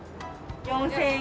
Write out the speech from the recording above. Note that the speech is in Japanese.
４０００円。